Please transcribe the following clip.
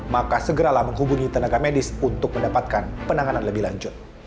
maka segeralah menghubungi tenaga medis untuk mendapatkan penanganan lebih lanjut